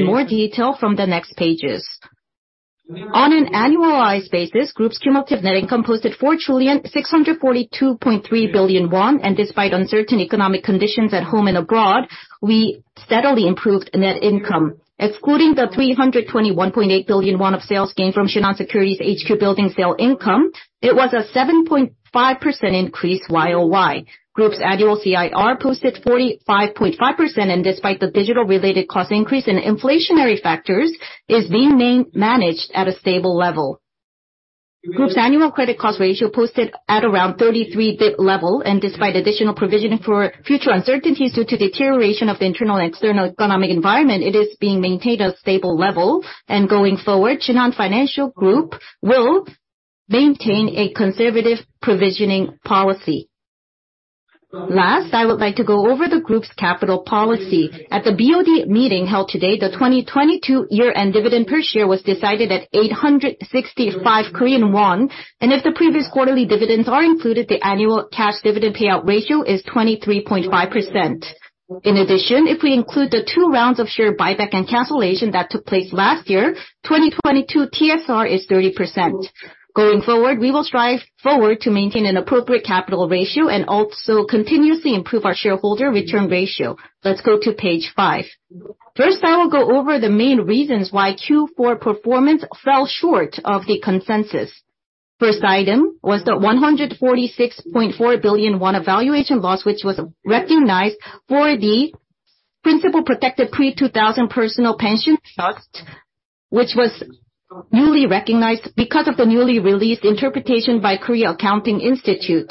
More detail from the next pages. On an annualized basis, group's cumulative net income posted 4,642.3 billion won, despite uncertain economic conditions at home and abroad, we steadily improved net income. Excluding the 321.8 billion won of sales gain from Shinhan Securities HQ building sale income, it was a 7.5% increase YOY. Group's annual CIR posted 45.5%, despite the digital-related cost increase and inflationary factors, is being managed at a stable level. Group's annual credit cost ratio posted at around 33 BP level, despite additional provisioning for future uncertainties due to deterioration of the internal and external economic environment, it is being maintained at a stable level. Going forward, Shinhan Financial Group will maintain a conservative provisioning policy. Last, I would like to go over the group's capital policy. At the BOD meeting held today, the 2022 year-end dividend per share was decided at 865 Korean won. If the previous quarterly dividends are included, the annual cash dividend payout ratio is 23.5%. In addition, if we include the two rounds of share buyback and cancellation that took place last year, 2022 TSR is 30%. Going forward, we will strive forward to maintain an appropriate capital ratio and also continuously improve our shareholder return ratio. Let's go to page 5. First, I will go over the main reasons why Q4 performance fell short of the consensus. First item was the 146.4 billion won evaluation loss, which was recognized for the principal protected pre-2000 personal pension trust, which was newly recognized because of the newly released interpretation by Korea Accounting Institute.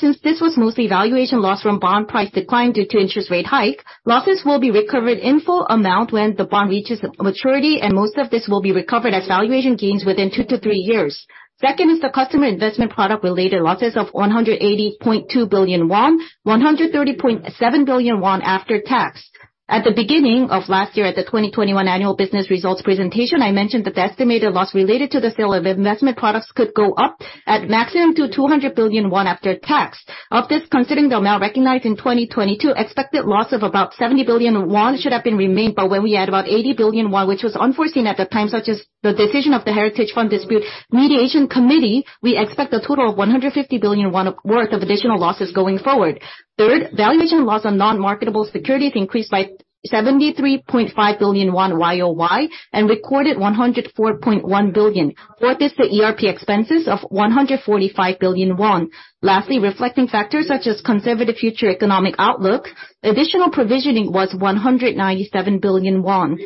Since this was mostly evaluation loss from bond price decline due to interest rate hike, losses will be recovered in full amount when the bond reaches maturity, and most of this will be recovered as valuation gains within two to three years. Second is the customer investment product-related losses of 180.2 billion won, 130.7 billion won after tax. At the beginning of last year, at the 2020 annual business results presentation, I mentioned that the estimated loss related to the sale of investment products could go up at maximum to 200 billion won after tax. Of this, considering the amount recognized in 2022, expected loss of about 70 billion won should have been remained, but when we add about 80 billion won, which was unforeseen at the time, such as the decision of the Heritage Fund Dispute Mediation Committee, we expect a total of 150 billion of worth of additional losses going forward. Third, valuation loss on non-marketable securities increased by 73.5 billion won YOY and recorded 104.1 billion worth is the ERP expenses of 145 billion won. Lastly, reflecting factors such as conservative future economic outlook, additional provisioning was 197 billion won.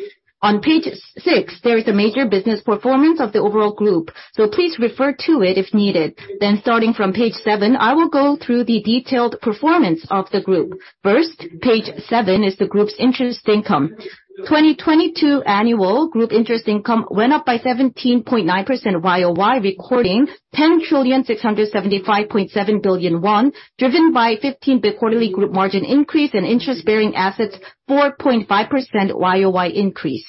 On page six, there is a major business performance of the overall group, so please refer to it if needed. Starting from page seven, I will go through the detailed performance of the group. First, page seven is the group's interest income. 2022 annual group interest income went up by 17.9% YOY, recording 10,675.7 billion won, driven by 15 BP quarterly group margin increase and interest-bearing assets 4.5% YOY increase.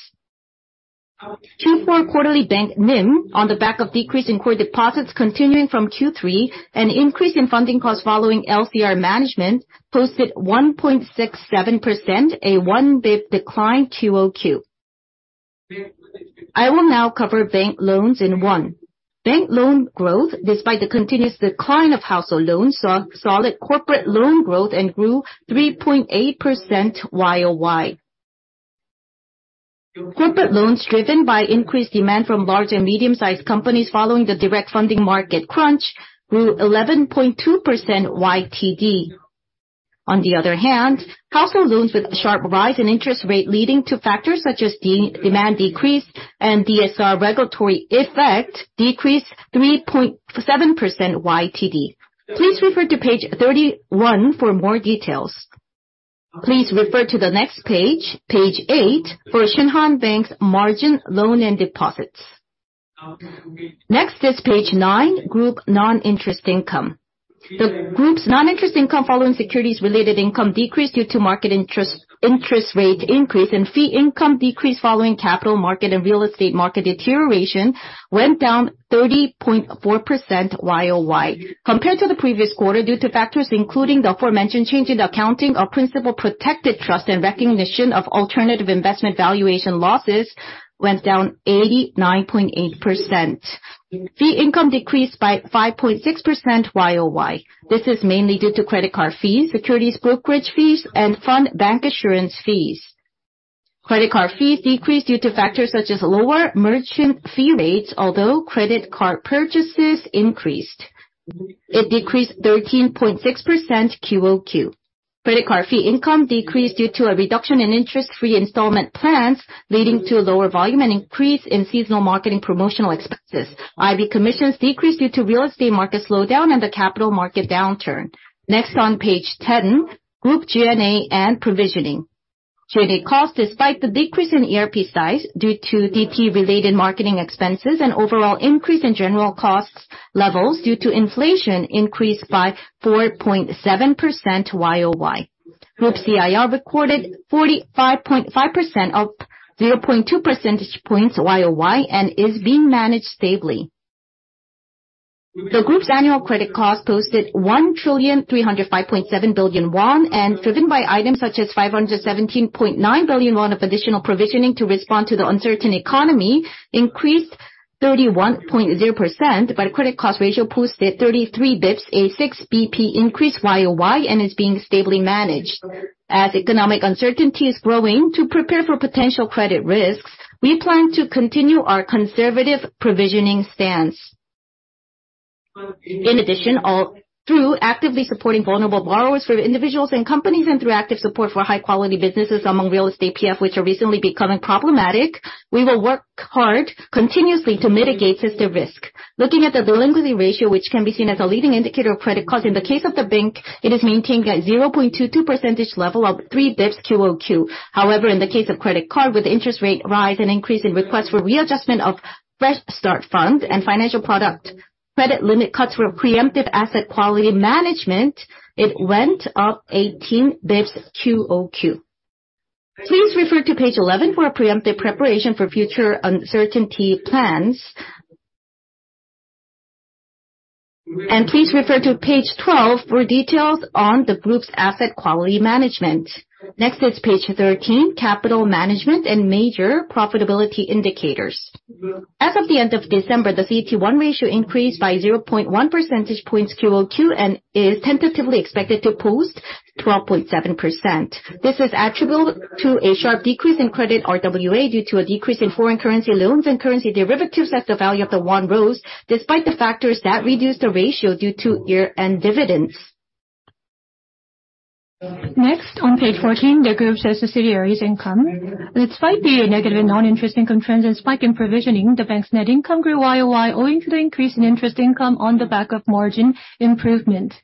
Q4 quarterly bank NIM, on the back of decrease in core deposits continuing from Q3 and increase in funding costs following LCR management, posted 1.67%, a 1 BP decline QOQ. I will now cover bank loans in one. Bank loan growth, despite the continuous decline of household loans, saw solid corporate loan growth and grew 3.8% YOY. Corporate loans, driven by increased demand from large and medium-sized companies following the direct funding market crunch, grew 11.2% YTD. Household loans with sharp rise in interest rate, leading to factors such as de-demand decrease and DSR regulatory effect, decreased 3.7% YTD. Please refer to page 31 for more details. Please refer to the next page eight, for Shinhan Bank's margin loan and deposits. Page nine, group non-interest income. The group's non-interest income, following securities related income decrease due to market interest rate increase and fee income decrease following capital market and real estate market deterioration, went down 30.4% YOY. Compared to the previous quarter, due to factors including the aforementioned change in accounting of principal protected trust and recognition of alternative investment valuation losses, went down 89.8%. Fee income decreased by 5.6% YOY. This is mainly due to credit card fees, securities brokerage fees, and fund bank assurance fees. Credit card fees decreased due to factors such as lower merchant fee rates, although credit card purchases increased. It decreased 13.6% QOQ. Credit card fee income decreased due to a reduction in interest-free installment plans, leading to lower volume and increase in seasonal marketing promotional expenses. IB commissions decreased due to real estate market slowdown and the capital market downturn. Next, on page 10, Group GNA and provisioning. GNA cost, despite the decrease in ERP size due to DP-related marketing expenses and overall increase in general costs levels due to inflation, increased by 4.7% YOY. Group CIR recorded 45.5%, up 0.2 percentage points YOY, and is being managed stably. The group's annual credit cost posted 1,305.7 billion won, and driven by items such as 517.9 billion won of additional provisioning to respond to the uncertain economy, increased 31.0%. Credit cost ratio posted 33 basis points, a 6 basis point increase YOY, and is being stably managed. As economic uncertainty is growing, to prepare for potential credit risks, we plan to continue our conservative provisioning stance. In addition, through actively supporting vulnerable borrowers for individuals and companies, and through active support for high-quality businesses among real estate PF, which are recently becoming problematic, we will work hard continuously to mitigate system risk. Looking at the delinquency ratio, which can be seen as a leading indicator of credit cost, in the case of the bank, it is maintained at 0.22% level of 3 bps QOQ. In the case of credit card, with interest rate rise and increase in requests for readjustment of New Start Fund and financial product credit limit cuts for preemptive asset quality management, it went up 18 bps QOQ. Please refer to page 11 for preemptive preparation for future uncertainty plans. Please refer to page 12 for details on the group's asset quality management. Next is page 13, capital management and major profitability indicators. As of the end of December, the CET1 ratio increased by 0.1 percentage points QOQ, and is tentatively expected to post 12.7%. This is attributable to a sharp decrease in credit RWA due to a decrease in foreign currency loans and currency derivatives as the value of the won rose, despite the factors that reduced the ratio due to year-end dividends. On page 14, the group's subsidiaries income. Despite the negative non-interest income trends and spike in provisioning, the bank's net income grew YOY owing to the increase in interest income on the back of margin improvement.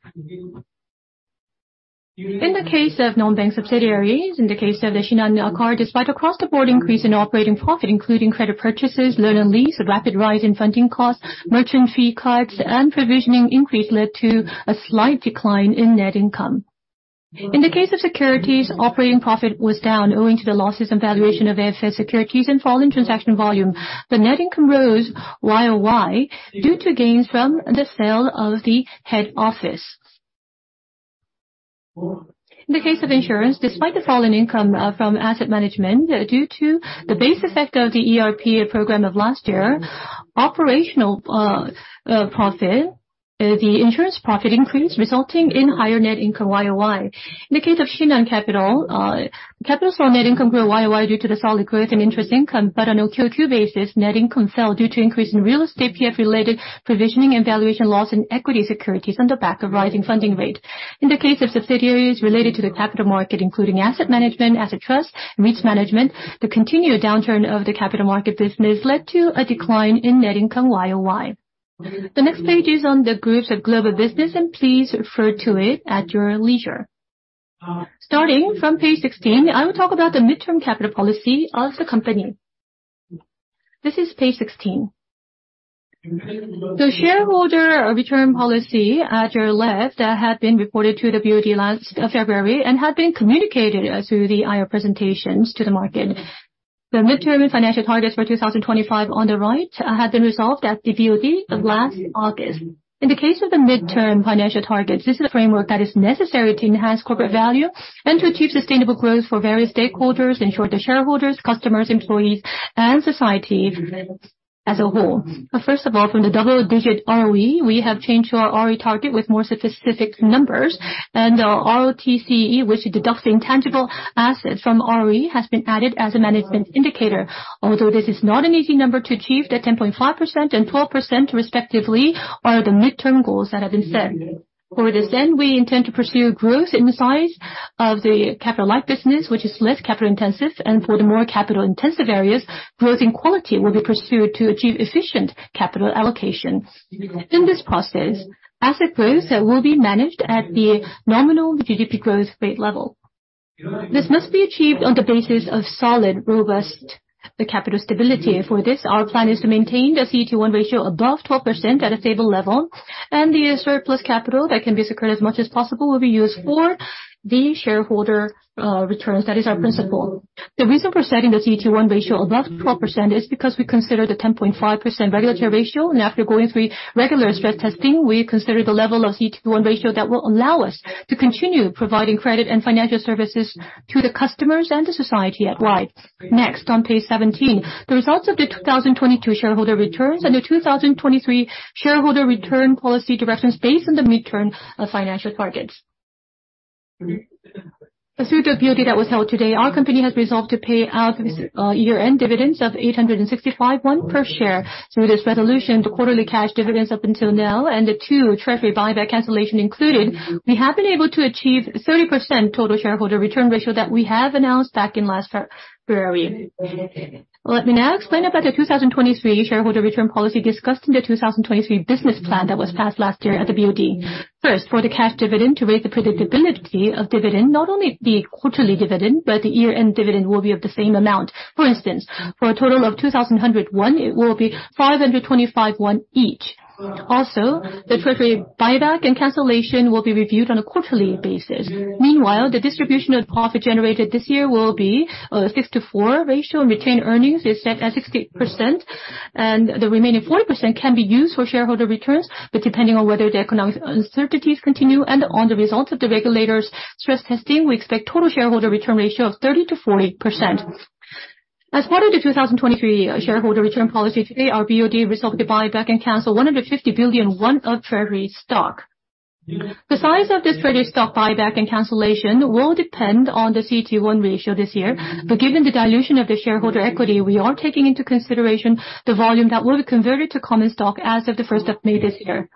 In the case of non-bank subsidiaries, in the case of the Shinhan Card, despite an across-the-board increase in operating profit, including credit purchases, loan and lease, a rapid rise in funding costs, merchant fee cuts, and provisioning increase led to a slight decline in net income. In the case of securities, operating profit was down owing to the losses and valuation of AFS securities and fall in transaction volume. The net income rose YOY due to gains from the sale of the head office. In the case of insurance, despite the fall in income from asset management due to the base effect of the ERP program of last year, operational profit, the insurance profit increased, resulting in higher net income YOY. In the case of Shinhan Capital, capital saw net income grow YOY due to the solid growth in interest income, but on a QOQ basis, net income fell due to increase in real estate PF-related provisioning and valuation loss in equity securities on the back of rising funding rate. In the case of subsidiaries related to the capital market, including asset management, asset trust, and risk management, the continued downturn of the capital market business led to a decline in net income YOY. The next page is on the group's global business, and please refer to it at your leisure. Starting from page 16, I will talk about the midterm capital policy of the company. This is page 16. The shareholder return policy at your left had been reported to the BOD last February and had been communicated through the IR presentations to the market. The midterm financial targets for 2025 on the right had been resolved at the BOD of last August. In the case of the midterm financial targets, this is a framework that is necessary to enhance corporate value and to achieve sustainable growth for various stakeholders, ensure the shareholders, customers, employees, and society as a whole. First of all, from the double-digit ROE, we have changed our ROE target with more specific numbers. ROTCE, which deducts the intangible assets from ROE, has been added as a management indicator. Although this is not an easy number to achieve, the 10.5% and 12% respectively are the midterm goals that have been set. For this end, we intend to pursue growth in the size of the capital-light business, which is less capital intensive. For the more capital-intensive areas, growth in quality will be pursued to achieve efficient capital allocations. In this process, asset growth, will be managed at the nominal GDP growth rate level. This must be achieved on the basis of solid, robust, capital stability. Our plan is to maintain the CET1 ratio above 12% at a stable level, and the surplus capital that can be secured as much as possible will be used for the shareholder, returns. That is our principle. The reason for setting the CET1 ratio above 12% is because we consider the 10.5% regulatory ratio. After going through regular stress testing, we consider the level of CET1 ratio that will allow us to continue providing credit and financial services to the customers and the society at wide. Next, on page 17, the results of the 2022 shareholder returns and the 2023 shareholder return policy directions based on the midterm financial targets. Through the BOD that was held today, our company has resolved to pay out year-end dividends of 865 won per share. Through this resolution, the quarterly cash dividends up until now and the two treasury buyback cancellation included, we have been able to achieve 30% total shareholder return ratio that we have announced back in last February. Let me now explain about the 2023 shareholder return policy discussed in the 2023 business plan that was passed last year at the BOD. First, for the cash dividend, to raise the predictability of dividend, not only the quarterly dividend, but the year-end dividend will be of the same amount. For instance, for a total of 2,100 KRW, it will be 525 won each. Also, the treasury buyback and cancellation will be reviewed on a quarterly basis. Meanwhile, the distribution of profit generated this year will be a 60/40 ratio, and retained earnings is set at 60%. The remaining 40% can be used for shareholder returns. Depending on whether the economic uncertainties continue and on the results of the regulators' stress testing, we expect total shareholder return ratio of 30%-40%. As part of the 2023 shareholder return policy today, our BOD resolved to buy back and cancel 150 billion of treasury stock. The size of this treasury stock buyback and cancellation will depend on the CET1 ratio this year, but given the dilution of the shareholder equity, we are taking into consideration the volume that will be converted to common stock as of May 1 this year.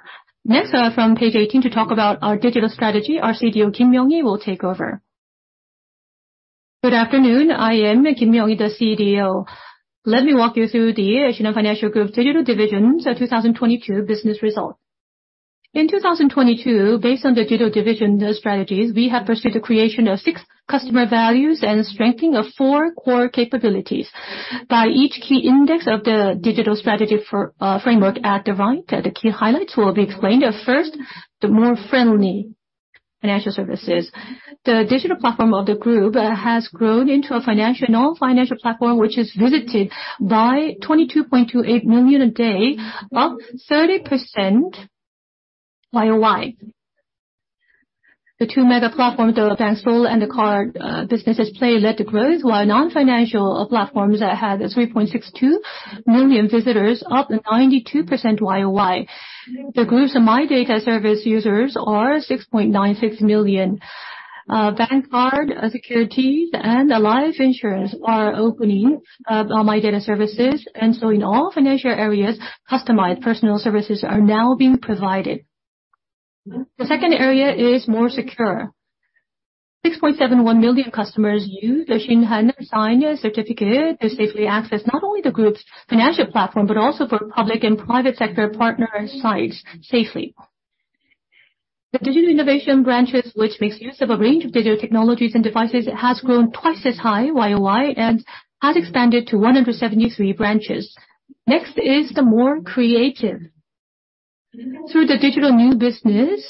Next, from page 18 to talk about our digital strategy, our CDO, Kim Myung-Hee, will take over. Good afternoon. I am Kim Myung-Hee, the CDO. Let me walk you through the Shinhan Financial Group Digital Division's 2022 business results. In 2022, based on the digital division strategies, we have pursued the creation of six customer values and strengthening of four core capabilities. By each key index of the digital strategy for framework at the right, the key highlights will be explained. At first, the more friendly financial services. The digital platform of the group has grown into a financial, non-financial platform which is visited by 22.28 million a day, up 30% YOY. The two mega platforms, the Bank SOL and the card businesse's pLay led to growth, while non-financial platforms had 3.62 million visitors, up 92% YOY. The group's My Data service users are 6.96 million. Vanguard Securities and Life Insurance are opening My Data services, in all financial areas, customized personal services are now being provided. The second area is more secure. 6.71 million customers use the Shinhan Sign certificate to safely access not only the group's financial platform, but also for public and private sector partner sites safely. The digital innovation branches, which makes use of a range of digital technologies and devices, has grown twice as high YOY and has expanded to 173 branches. Next is the more creative. Through the digital new business,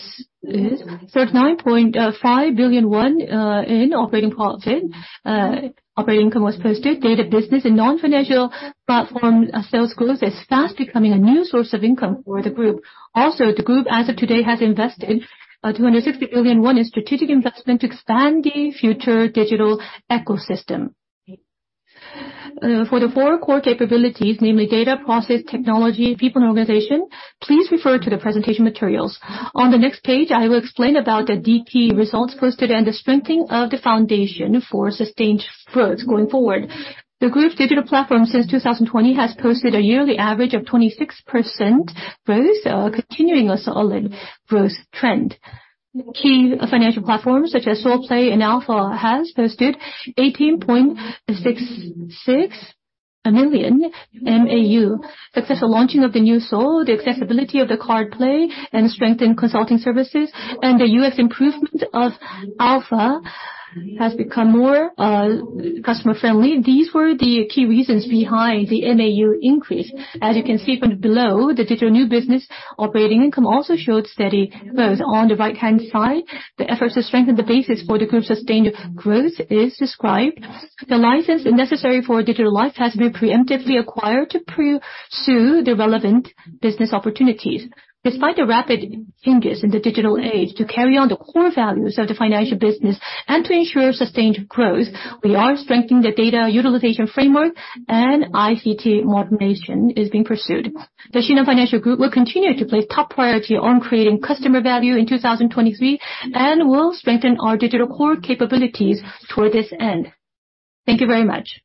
is 39.5 billion won in operating profit. Operating income was posted. Data business and non-financial platform sales growth is fast becoming a new source of income for the group. Also, the group, as of today, has invested 260 billion won in strategic investment to expand the future digital ecosystem. For the four core capabilities, namely data, process, technology, people and organization, please refer to the presentation materials. On the next page, I will explain about the DT results posted and the strengthening of the foundation for sustained growth going forward. The group's digital platform since 2020 has posted a yearly average of 26% growth, continuing a solid growth trend. Key financial platforms such as SOL Pay and Alpha has posted 18.66 million MAU. Successful launching of the New SOL, the accessibility of the card pLay and strengthened consulting services, and the UX improvement of Alpha has become more customer friendly. These were the key reasons behind the MAU increase. As you can see from below, the digital new business operating income also showed steady growth. On the right-hand side, the efforts to strengthen the basis for the group's sustained growth is described. The license necessary for digital life has been preemptively acquired to pursue the relevant business opportunities. Despite the rapid changes in the digital age, to carry on the core values of the financial business and to ensure sustained growth, we are strengthening the data utilization framework and ICT modernization is being pursued. The Shinhan Financial Group will continue to place top priority on creating customer value in 2023 and will strengthen our digital core capabilities toward this end. Thank you very much.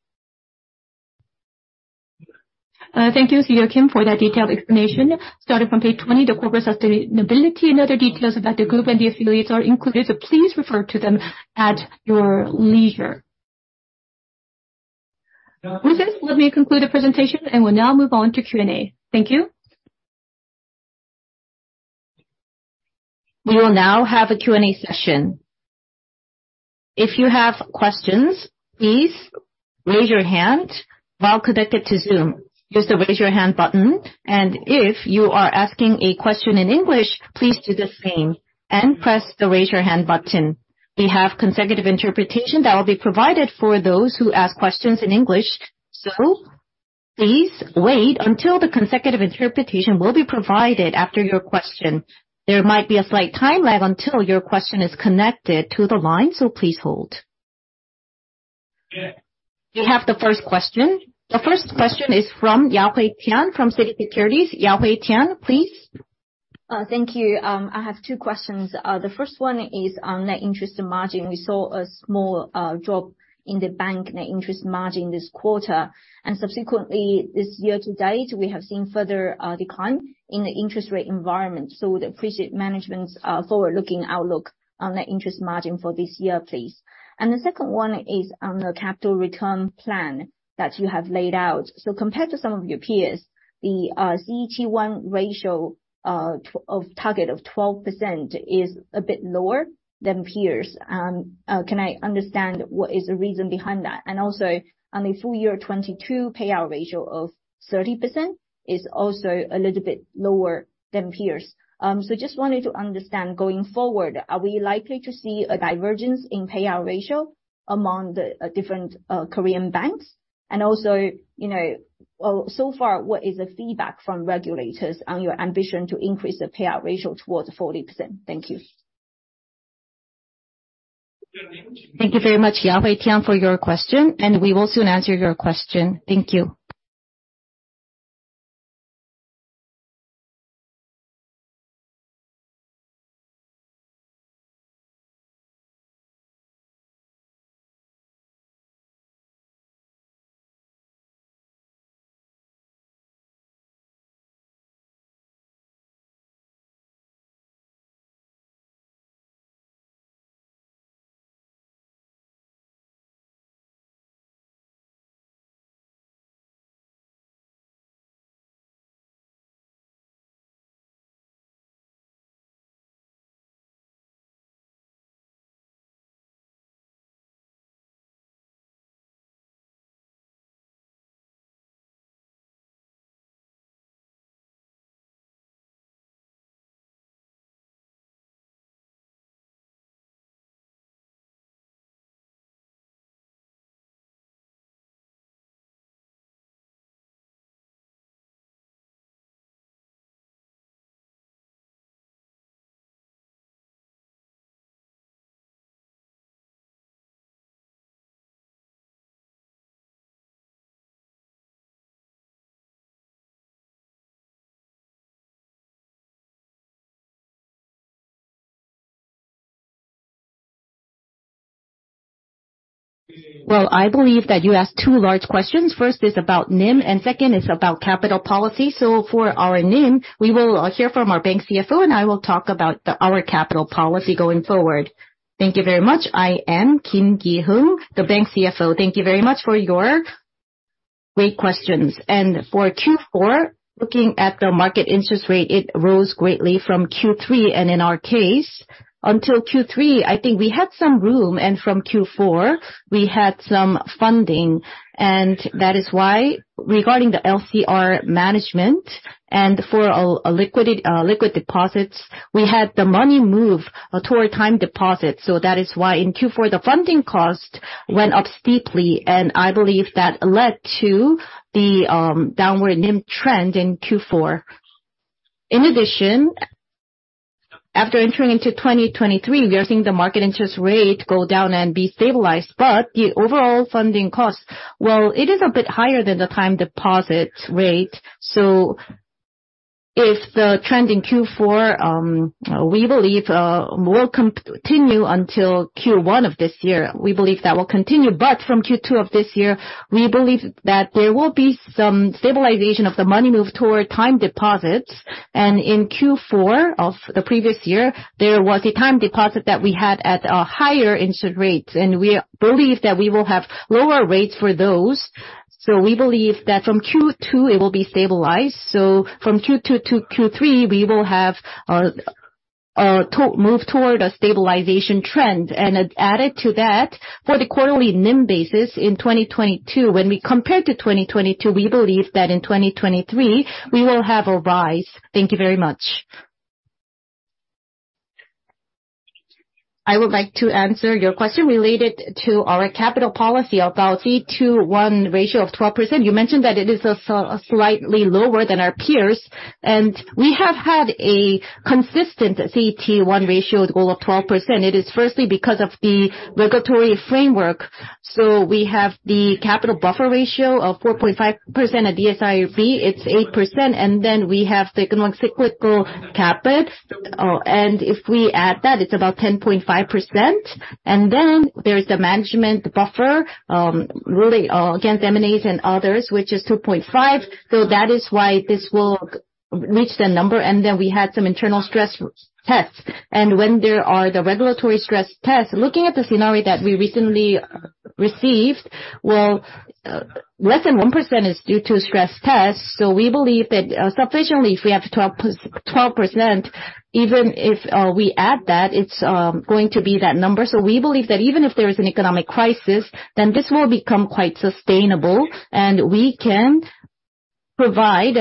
Thank you, Mr. Kim, for that detailed explanation. Starting from page 20, the corporate sustainability and other details about the group and the affiliates are included, so please refer to them at your leisure. With this, let me conclude the presentation and will now move on to Q&A. Thank you. We will now have a Q&A session. If you have questions, please raise your hand while connected to Zoom. Use the Raise Your Hand button. If you are asking a question in English, please do the same and press the Raise Your Hand button. We have consecutive interpretation that will be provided for those who ask questions in English, so please wait until the consecutive interpretation will be provided after your question. There might be a slight time lag until your question is connected to the line, so please hold. We have the first question. The first question is from Yafei Tian from Citi Securities. Yafei Tian, please. Thank you. I have 2 questions. The first one is on net interest margin. We saw a small drop in the bank net interest margin this quarter, and subsequently this year to date, we have seen further decline in the interest rate environment. Would appreciate management's forward-looking outlook on the interest margin for this year, please. The second one is on the capital return plan that you have laid out. Compared to some of your peers, the CET1 ratio of target of 12% is a bit lower than peers. Can I understand what is the reason behind that? Also, on the full year 2022 payout ratio of 30% is also a little bit lower than peers. Just wanted to understand going forward, are we likely to see a divergence in payout ratio among the different Korean banks? You know, so far, what is the feedback from regulators on your ambition to increase the payout ratio towards 40%? Thank you. Thank you very much, Yafei Tian, for your question, and we will soon answer your question. Thank you. I would like to answer your question related to our capital policy about CET1 ratio of 12%. You mentioned that it is slightly lower than our peers, and we have had a consistent CET1 ratio goal of 12%. It is firstly because of the regulatory framework. We have the capital buffer ratio of 4.5%. At DSIB, it's 8%. We have the countercyclical capital. If we add that, it's about 10.5%. There's the management buffer, really, against M&As and others, which is 2.5%. That is why this will reach that number. We had some internal stress tests. When there are the regulatory stress tests, looking at the scenario that we recently received, less than 1% is due to stress tests. We believe that, sufficiently, if we have 12%, even if we add that, it's going to be that number. We believe that even if there is an economic crisis, this will become quite sustainable, and we can provide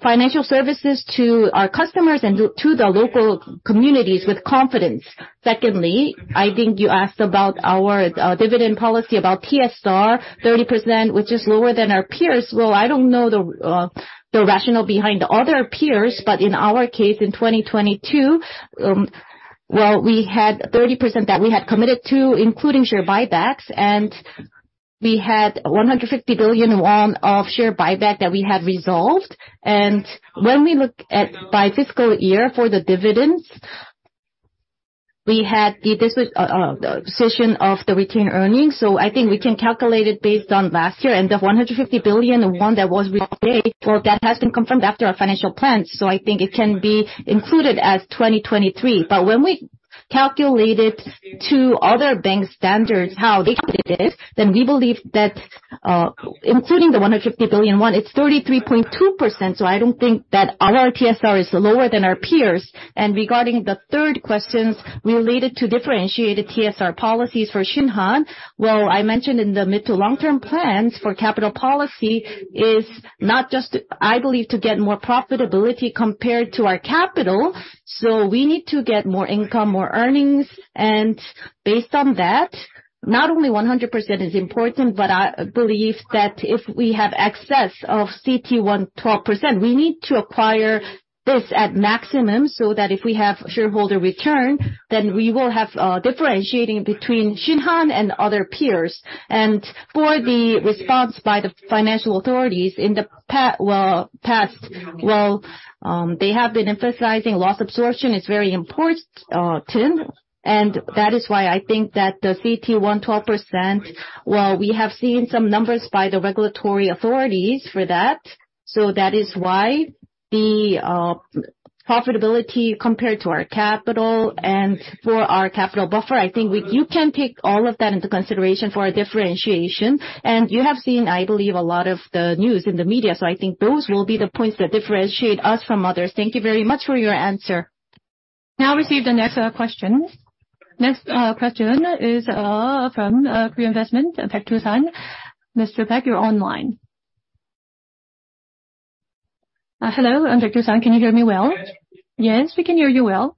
financial services to our customers and to the local communities with confidence. Secondly, I think you asked about our dividend policy about TSR, 30%, which is lower than our peers. Well, I don't know the rationale behind the other peers, but in our case, in 2022, well, we had 30% that we had committed to, including share buybacks, and we had 150 billion won of share buyback that we had resolved. When we look at by fiscal year for the dividends, we had the decision of the retained earnings. I think we can calculate it based on last year. The 150 billion won that was paid, well, that has been confirmed after our financial plans. I think it can be included as 2023. When we calculate it to other bank standards, how they calculate this, then we believe that, including the 150 billion KRW, it's 33.2%. I don't think that our TSR is lower than our peers. Regarding the third questions related to differentiated TSR policies for Shinhan, well, I mentioned in the mid to long-term plans for capital policy is not just, I believe, to get more profitability compared to our capital. We need to get more income, more earnings, and based on that. Not only 100% is important, but I believe that if we have excess of CET1 12%, we need to acquire this at maximum so that if we have shareholder return, then we will have differentiating between Shinhan and other peers. For the response by the financial authorities in the past, they have been emphasizing loss absorption is very important, and that is why I think that the CET1 12%, while we have seen some numbers by the regulatory authorities for that, so that is why the profitability compared to our capital and for our capital buffer, I think you can take all of that into consideration for a differentiation. You have seen, I believe, a lot of the news in the media, so I think those will be the points that differentiate us from others. Thank you very much for your answer. Now receive the next question. Next question is from Korea Investment, Baek Doosan. Mr. Baek, you're online. hello, I'm Baek Doosan. Can you hear me well? Yes, we can hear you well.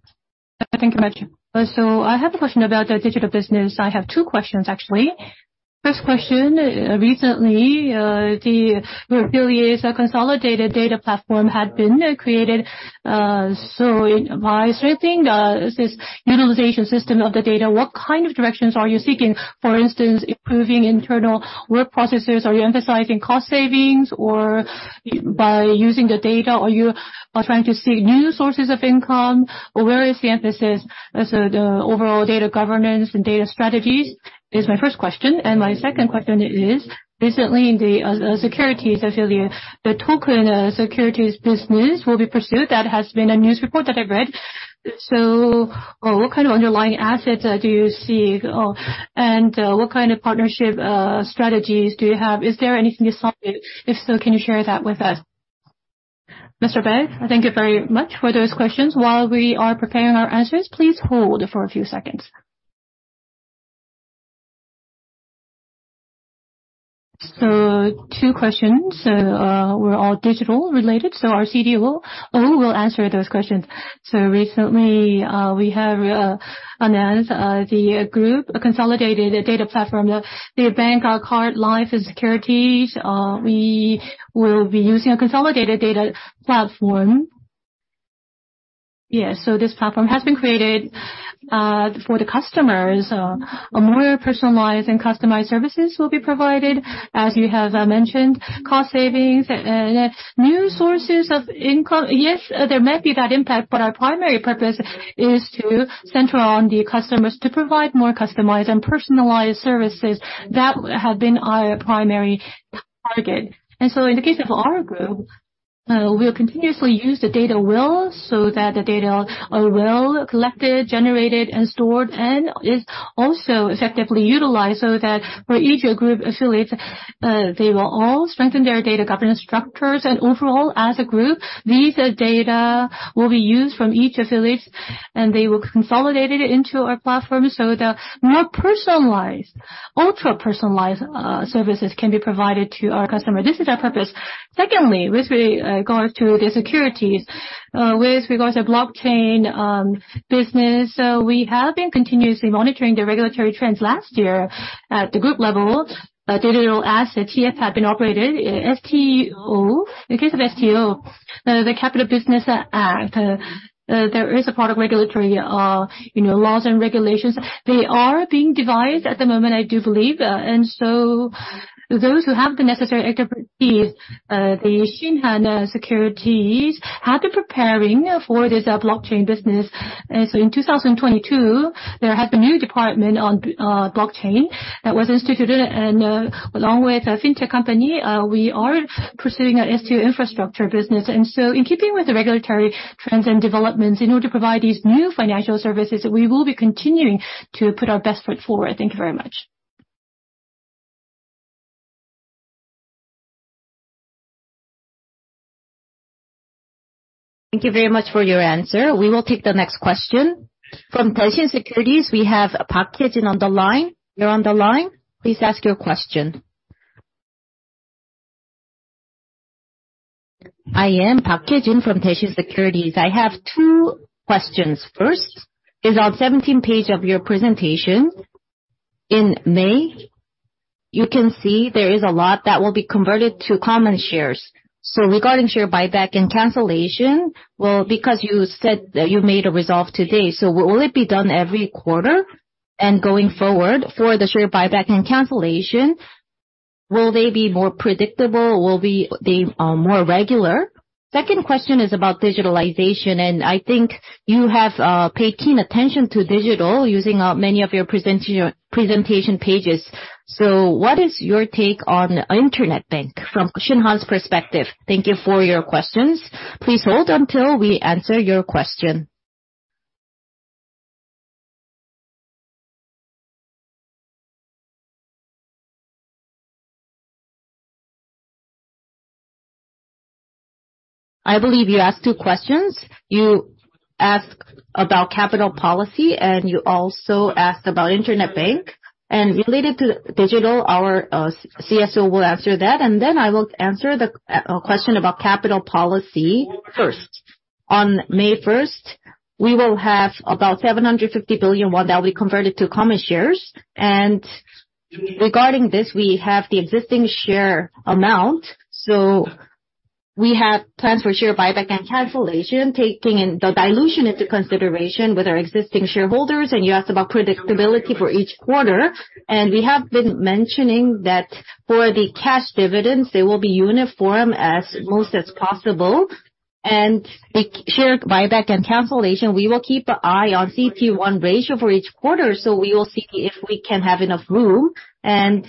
Thank you much. I have a question about the digital business. I have two questions actually. First question, recently, the affiliates, a consolidated data platform had been created. It by strengthening this utilization system of the data, what kind of directions are you seeking? For instance, improving internal work processes, are you emphasizing cost savings or by using the data are you trying to seek new sources of income? Where is the emphasis as the overall data governance and data strategies, is my first question. My second question is, recently in the securities affiliate, the token securities business will be pursued. That has been a news report that I've read. What kind of underlying assets do you see? What kind of partnership strategies do you have? Is there anything you saw? If so, can you share that with us? Mr. Baek, thank you very much for those questions. While we are preparing our answers, please hold for a few seconds. two questions. We're all digital related, so our CDO will answer those questions. Recently, we have announced the group, a consolidated data platform, the bank, our card, life and securities, we will be using a consolidated data platform. This platform has been created for the customers, a more personalized and customized services will be provided. As you have mentioned, cost savings and new sources of income. There may be that impact, but our primary purpose is to center on the customers to provide more customized and personalized services. That have been our primary target. In the case of our group, we'll continuously use the data well so that the data are well collected, generated and stored, and is also effectively utilized so that for each group affiliates, they will all strengthen their data governance structures. Overall, as a group, these data will be used from each affiliates, and they will consolidate it into our platform so that more personalized, ultra-personalized, services can be provided to our customer. This is our purpose. Secondly, with regards to the securities, with regards to blockchain business, we have been continuously monitoring the regulatory trends last year at the group level. Digital asset TF had been operated. STO, in case of STO, the Capital Business Act, there is a part of regulatory, you know, laws and regulations. They are being devised at the moment, I do believe. Those who have the necessary expertise, the Shinhan Securities had been preparing for this blockchain business. In 2022, there had been new department on blockchain that was instituted. Along with a fintech company, we are pursuing an STO infrastructure business. In keeping with the regulatory trends and developments in order to provide these new financial services, we will be continuing to put our best foot forward. Thank you very much. Thank you very much for your answer. We will take the next question. From Daishin Securities, we have Park Hye-jin on the line. You are on the line. Please ask your question. I am Park Hye-jin from Daishin Securities. I have two questions. First is on 17 page of your presentation. In May, you can see there is a lot that will be converted to common shares. Regarding share buyback and cancellation, well, because you said that you made a resolve today, so will it be done every quarter? Going forward for the share buyback and cancellation, will they be more predictable? Will we be more regular? Second question is about digitalization, and I think you have paid keen attention to digital using many of your presentation pages. What is your take on internet bank from Shinhan's perspective? Thank you for your questions. Please hold until we answer your question. I believe you asked two questions. You asked about capital policy and you also asked about internet bank. Related to digital, our CSSO will answer that and then I will answer the question about capital policy first. On May first... We will have about 750 billion won that we converted to common shares. Regarding this, we have the existing share amount, so we have plans for share buyback and cancellation, taking in the dilution into consideration with our existing shareholders. You asked about predictability for each quarter, and we have been mentioning that for the cash dividends, they will be uniform as most as possible. The share buyback and cancellation, we will keep an eye on CET1 ratio for each quarter. We will see if we can have enough room, and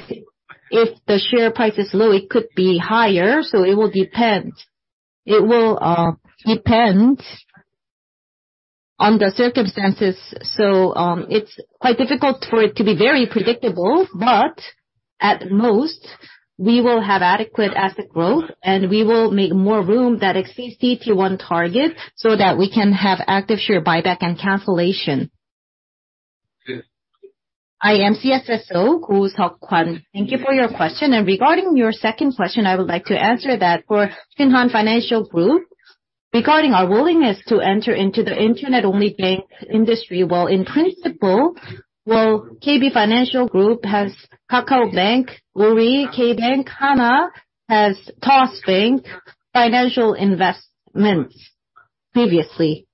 if the share price is low, it could be higher, so it will depend. It will depend on the circumstances. It's quite difficult for it to be very predictable. At most, we will have adequate asset growth, and we will make more room that exceeds CET1 target, so that we can have active share buyback and cancellation. I am CSSO, Ko Seok-Hon. Thank you for your question. Regarding your second question, I would like to answer that. For Shinhan Financial Group, regarding our willingness to enter into the internet-only bank industry, in principle, KB Financial Group has Kakao Bank. Woori K Bank, Hana has Toss Bank, financial investments previously.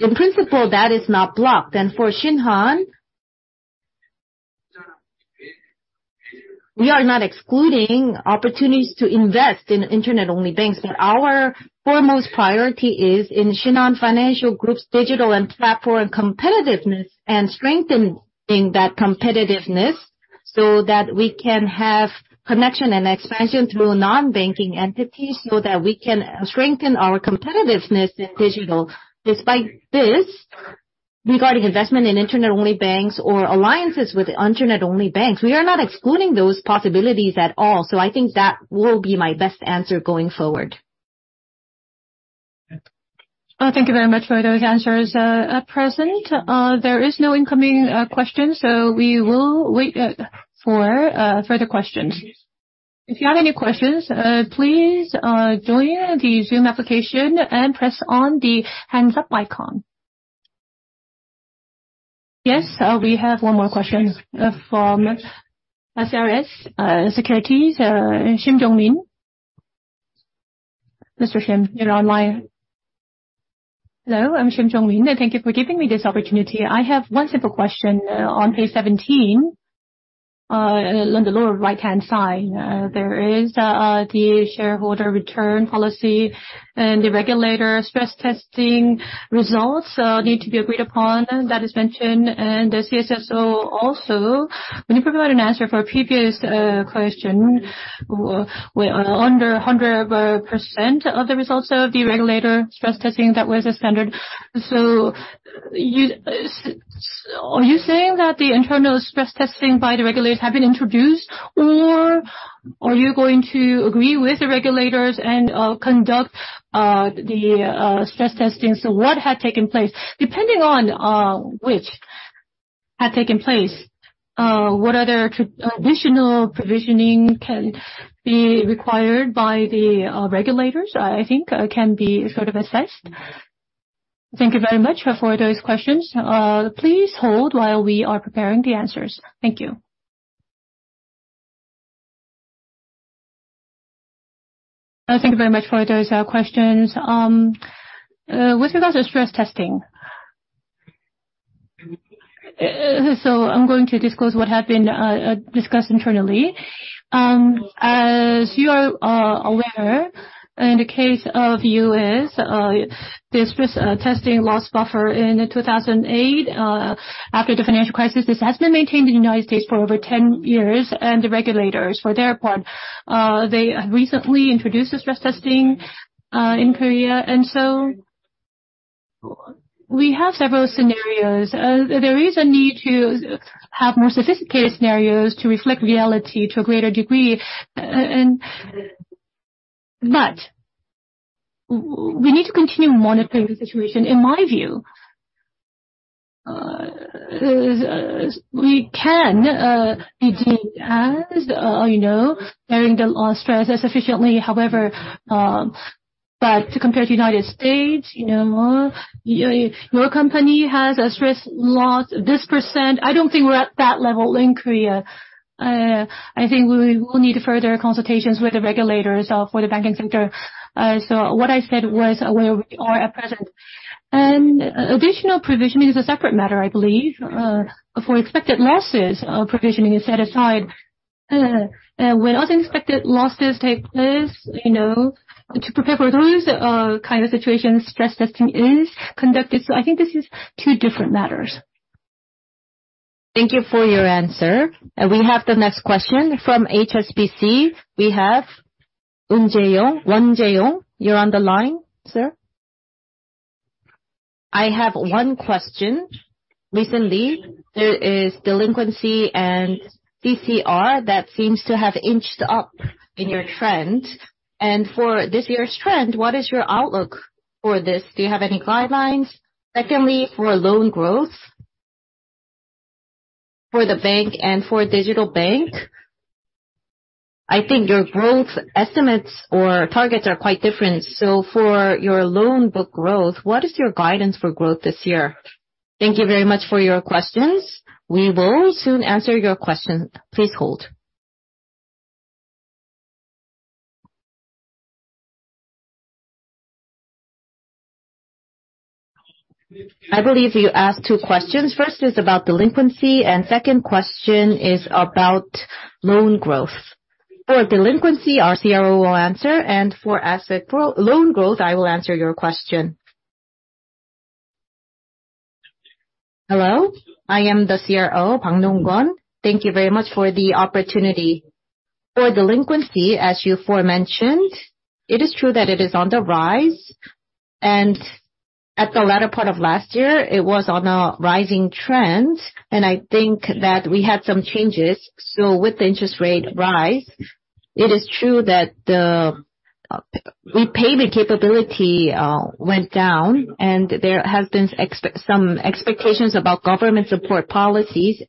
In principle, that is not blocked. For Shinhan, we are not excluding opportunities to invest in internet-only banks. Our foremost priority is in Shinhan Financial Group's digital and platform competitiveness and strengthening that competitiveness, so that we can have connection and expansion through non-banking entities, so that we can strengthen our competitiveness in digital. Despite this, regarding investment in internet-only banks or alliances with internet-only banks, we are not excluding those possibilities at all. I think that will be my best answer going forward. Thank you very much for those answers. At present, there is no incoming questions, so we will wait for further questions. If you have any questions, please join the Zoom application and press on the raise hand up icon. Yes, we have one more question from SRS Securities, Shim Jong Lin. Mr. Shim, you're online. Hello, I'm Shim Jong Lin. Thank you for giving me this opportunity. I have one simple question. On page 17, on the lower right-hand side, there is the shareholder return policy and the regulator stress testing results need to be agreed upon, that is mentioned. The CSSO also, when you provide an answer for a previous question, under 100% of the results of the regulator stress testing, that was the standard. You... Are you saying that the internal stress testing by the regulators have been introduced or are you going to agree with the regulators and conduct the stress testing? What had taken place? Depending on which had taken place, what other additional provisioning can be required by the regulators, I think can be sort of assessed. Thank you very much for those questions. Please hold while we are preparing the answers. Thank you. Thank you very much for those questions. With regards to stress testing. I'm going to disclose what have been discussed internally. As you are aware, in the case of U.S., the stress testing loss buffer in 2008, after the financial crisis, this has been maintained in the United States for over 10 years. The regulators, for their part, they recently introduced the stress testing in Korea. So we have several scenarios. There is a need to have more sophisticated scenarios to reflect reality to a greater degree. But we need to continue monitoring the situation, in my view. We can, indeed, as, you know, bearing the loss stress sufficiently, however, but to compare to United States, you know, your company has a stress loss this%. I don't think we're at that level in Korea. I think we will need further consultations with the regulators, for the banking sector. So what I said was where we are at present. Additional provision is a separate matter, I believe. For expected losses, provisioning is set aside. When unexpected losses take place, you know, to prepare for those, kind of situations, stress testing is conducted. I think this is two different matters. Thank you for your answer. We have the next question from HSBC. We have Won Jae-woong. Won Jae-woong, you're on the line, sir. I have one question. Recently, there is delinquency and CCR that seems to have inched up in your trend. For this year's trend, what is your outlook for this? Do you have any guidelines? Secondly, for loan growth For the bank and for digital bank, I think your growth estimates or targets are quite different. For your loan book growth, what is your guidance for growth this year? Thank you very much for your questions. We will soon answer your question. Please hold. I believe you asked two questions. First is about delinquency, and second question is about loan growth. For delinquency, our CRO will answer, and for loan growth, I will answer your question. Hello, I am the CRO, Bang Dong-Kwon. Thank you very much for the opportunity. For delinquency, as you aforementioned, it is true that it is on the rise. At the latter part of last year it was on a rising trend, and I think that we had some changes. With the interest rate rise, it is true that the repayment capability went down, and there have been some expectations about government support policies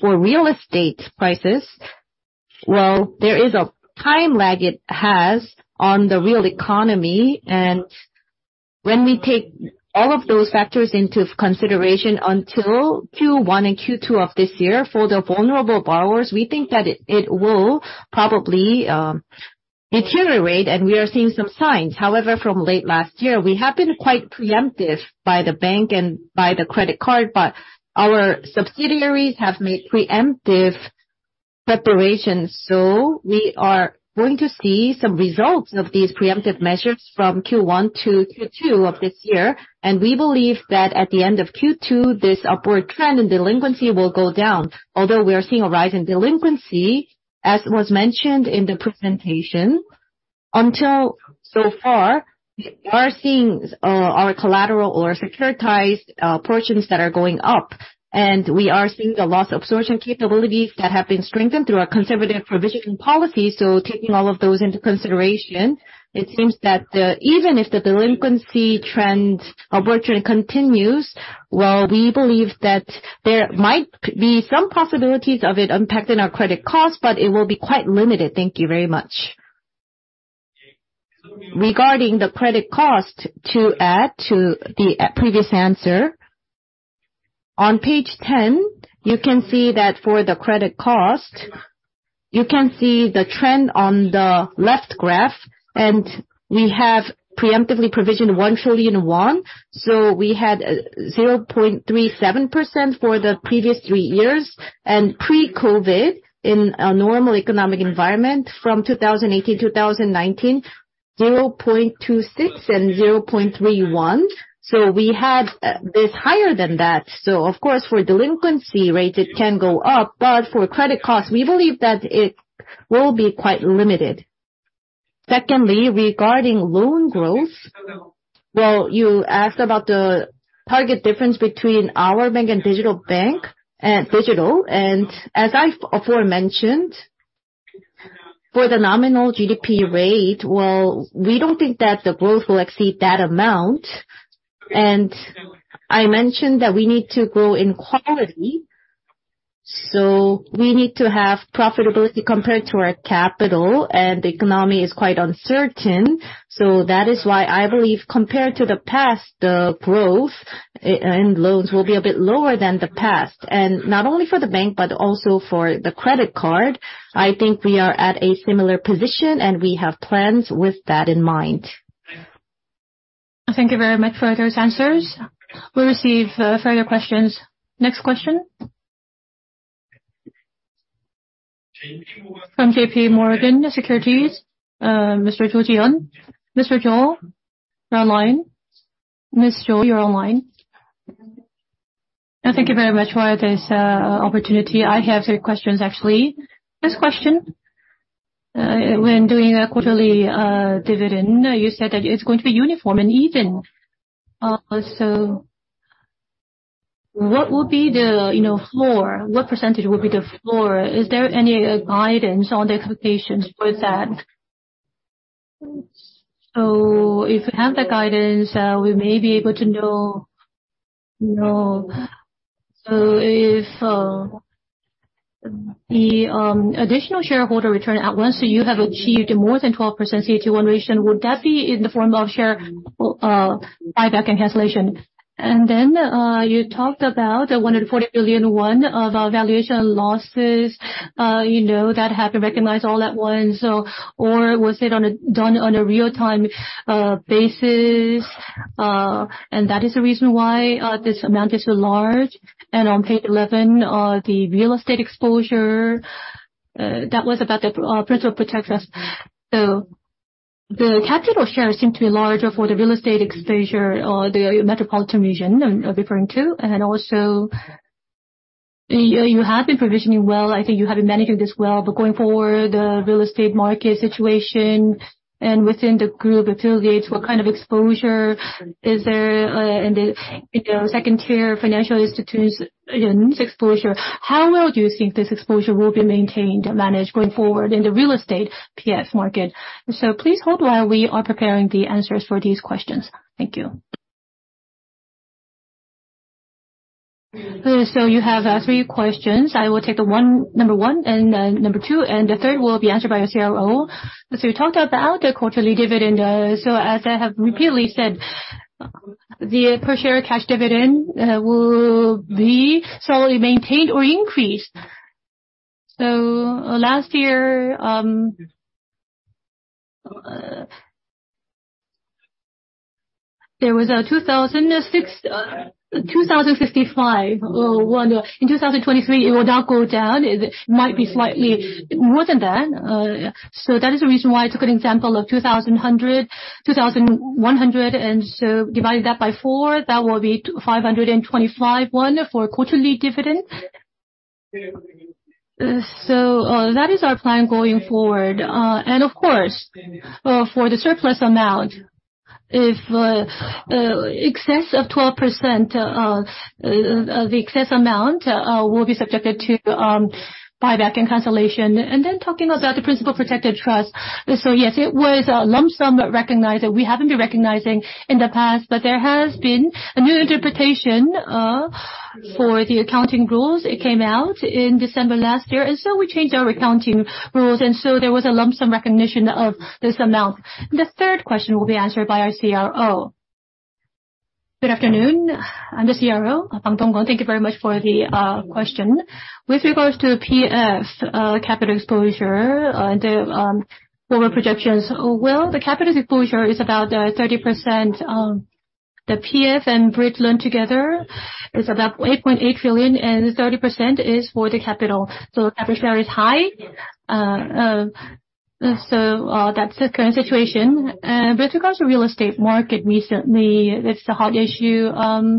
for real estate prices. There is a time lag it has on the real economy, and when we take all of those factors into consideration until Q1 and Q2 of this year for the vulnerable borrowers, we think that it will probably deteriorate, and we are seeing some signs. However, from late last year we have been quite preemptive by the bank and by the credit card, but our subsidiaries have made preemptive preparations. We are going to see some results of these preemptive measures from Q1 to Q2 of this year. We believe that at the end of Q2, this upward trend in delinquency will go down. Although we are seeing a rise in delinquency, as was mentioned in the presentation, until so far we are seeing our collateral or securitized portions that are going up. We are seeing the loss absorption capabilities that have been strengthened through our conservative provisioning policy. Taking all of those into consideration, it seems that even if the delinquency trend upward trend continues, well, we believe that there might be some possibilities of it impacting our credit costs, but it will be quite limited. Thank you very much. Regarding the credit cost, to add to the previous answer, on page 10 you can see that for the credit cost, you can see the trend on the left graph, and we have preemptively provisioned 1 trillion won. We had 0.37% for the previous three years, and pre-COVID in a normal economic environment from 2018, 2019, 0.26% and 0.31%. We had this higher than that. Of course, for delinquency rate it can go up, but for credit costs we believe that it will be quite limited. Secondly, regarding loan growth, you asked about the target difference between our bank and digital bank. As I aforementioned, for the nominal GDP rate, we don't think that the growth will exceed that amount. I mentioned that we need to grow in quality, we need to have profitability compared to our capital, and the economy is quite uncertain. That is why I believe compared to the past, the growth in loans will be a bit lower than the past. Not only for the bank, but also for the credit card, I think we are at a similar position, and we have plans with that in mind. Thank you very much for those answers. We'll receive further questions. Next question. From JPMorgan Securities, Mr. Cho Jihyun. Mr. Cho, you're online. Miss Cho, you're online. Thank you very much for this opportunity. I have three questions actually. First question, when doing a quarterly dividend, you said that it's going to be uniform and even. What will be the, you know, floor? What % will be the floor? Is there any guidance on the expectations for that? If you have the guidance, we may be able to know. If the additional shareholder return at once, so you have achieved more than 12% CET1 ratio, would that be in the form of share buyback and cancellation? You talked about the 140 billion of valuation losses, you know, that had to recognize all at once or was it on a... done on a real-time basis, that is the reason why this amount is so large? On page 11, the real estate exposure, that was about the principal protections. The capital share seemed to be larger for the real estate exposure, the metropolitan region I'm referring to. Also, you have been provisioning well, I think you have been managing this well, but going forward, the real estate market situation and within the group affiliates, what kind of exposure is there in the, you know, second tier financial institutes, you know, exposure? How well do you think this exposure will be maintained and managed going forward in the real estate PF market? Please hold while we are preparing the answers for these questions. Thank you. You have three questions. I will take number one and number two, and the third will be answered by our CRO. You talked about the quarterly dividend. As I have repeatedly said, the per share cash dividend will be slowly maintained or increased. Last year, there was KRW 2,055. In 2023 it will not go down, it might be slightly more than that. That is the reason why I took an example of 2,100, and so divided that by four, that will be 525 won for quarterly dividend. That is our plan going forward. Of course, for the surplus amount, if excess of 12%, the excess amount will be subjected to buyback and cancellation. Talking about the principal protected trust. Yes, it was a lump sum recognized that we haven't been recognizing in the past, but there has been a new interpretation for the accounting rules. It came out in December last year, and so we changed our accounting rules, and so there was a lump sum recognition of this amount. The third question will be answered by our CRO. Good afternoon. I'm the CRO, Bang Dong-kwon. Thank you very much for the question. With regards to PF, capital exposure, the forward projections. Well, the capital exposure is about 30%. The PF and bridge loan together is about 8.8 trillion, and 30% is for the capital. Capital share is high. That's the current situation. Regards to real estate market recently, it's a hot issue. In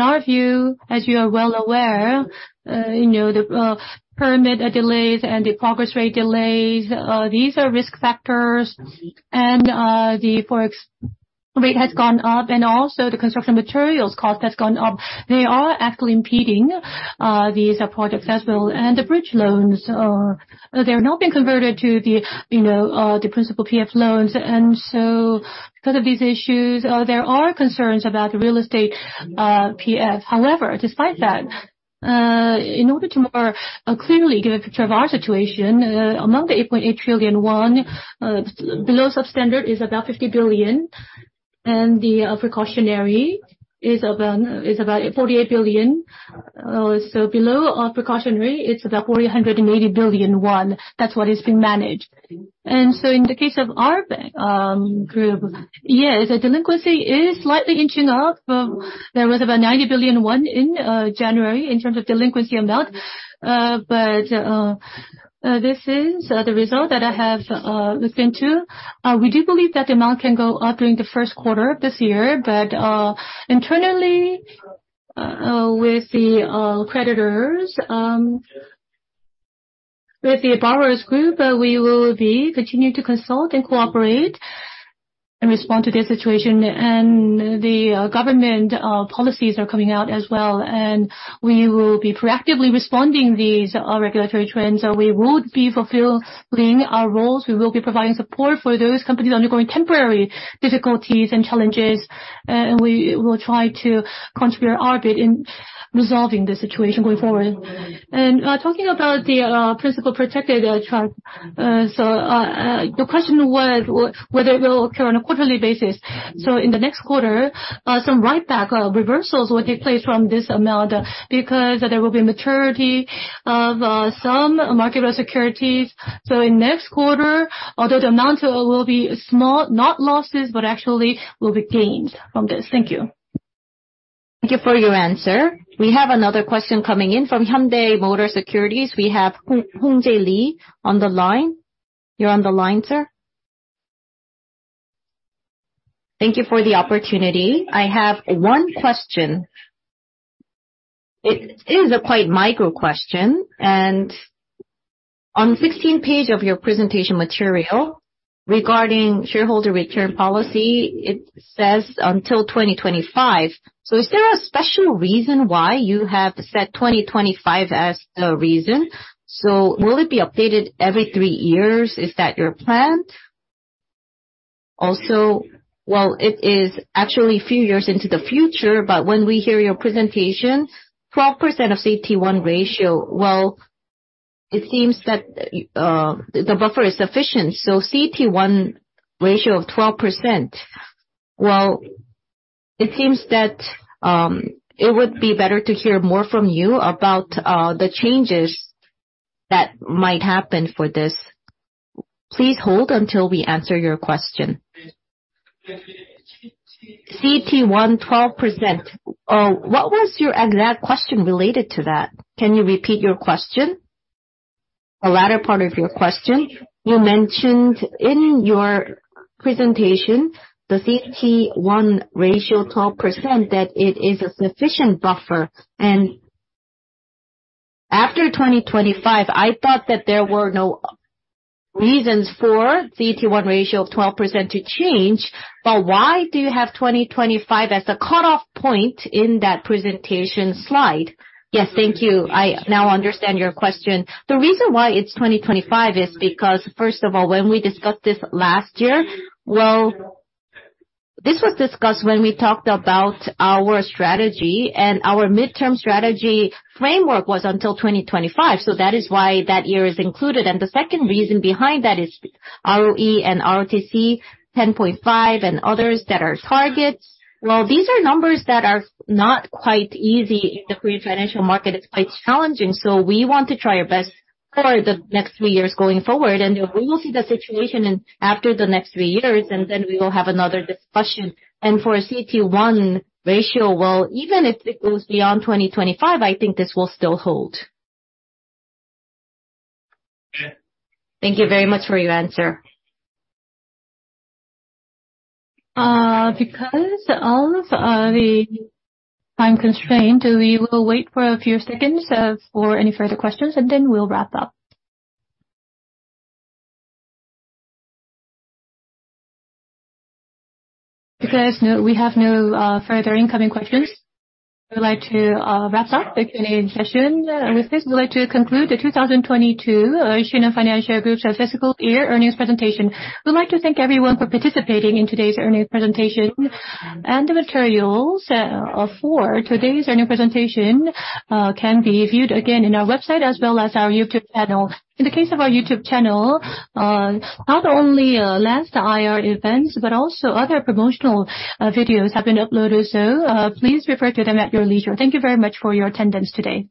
our view, as you are well aware, you know, the permit delays and the progress rate delays, these are risk factors. The Forex rate has gone up and also the construction materials cost has gone up. They are actually impeding these products as well. The bridge loans, they're now being converted to the, you know, the principal PF loans. Because of these issues, there are concerns about the real estate PF. However, despite that, in order to more clearly give a picture of our situation, among the 8.8 trillion won, below substandard is about 50 billion, and the precautionary is about 48 billion. So below our precautionary, it's about 480 billion won. That's what is being managed. In the case of our bank group, yes, the delinquency is slightly inching up. There was about 90 billion won in January in terms of delinquency amount. This is the result that I have looked into. We do believe that the amount can go up during the first quarter of this year. Internally, with the creditors, with the borrower's group, we will be continuing to consult and cooperate and respond to this situation. The government policies are coming out as well, and we will be proactively responding these regulatory trends. We would be fulfilling our roles. We will be providing support for those companies undergoing temporary difficulties and challenges. We will try to contribute our bit in resolving the situation going forward. Talking about the principal protected trust. Your question was whether it will occur on a quarterly basis. In the next quarter, some write back reversals will take place from this amount, because there will be maturity of some market-led securities. In next quarter, although the amount will be small, not losses, but actually will be gained from this. Thank you. Thank you for your answer. We have another question coming in from Hyundai Motor Securities. We have Lee Hong-Jae on the line. You're on the line, sir. Thank you for the opportunity. I have one question. It is a quite micro question. On 16 page of your presentation material regarding shareholder return policy, it says until 2025. Is there a special reason why you have set 2025 as the reason? Will it be updated every three years? Is that your plan? While it is actually a few years into the future, but when we hear your presentation, 12% of CET1 ratio, well, it seems that the buffer is sufficient. CET1 ratio of 12%, well, it seems that it would be better to hear more from you about the changes that might happen for this. Please hold until we answer your question. CT 112%. What was your exact question related to that? Can you repeat your question? The latter part of your question, you mentioned in your presentation the CET1 ratio 12%, that it is a sufficient buffer. After 2025, I thought that there were no reasons for CET1 ratio of 12% to change. Why do you have 2025 as the cutoff point in that presentation slide? Yes. Thank you. I now understand your question. The reason why it's 2025 is because first of all, when we discussed this last year, well, this was discussed when we talked about our strategy. Our midterm strategy framework was until 2025. That is why that year is included. The second reason behind that is ROE and ROTCE 10.5 and others that are targets. Well, these are numbers that are not quite easy. The Korean financial market is quite challenging. We want to try our best for the next 3 years going forward. We will see the situation in after the next 3 years. Then we will have another discussion. For CET1 ratio, well, even if it goes beyond 2025, I think this will still hold. Thank you very much for your answer. Because of the time constraint, we will wait for a few seconds for any further questions, and then we'll wrap up. Because we have no further incoming questions, we'd like to wrap up the Q&A session. With this, we'd like to conclude the 2022 Shinhan Financial Group's fiscal year earnings presentation. We'd like to thank everyone for participating in today's earnings presentation. The materials for today's earnings presentation can be viewed again in our website as well as our YouTube channel. In the case of our YouTube channel, not only last IR events, but also other promotional videos have been uploaded so please refer to them at your leisure. Thank you very much for your attendance today.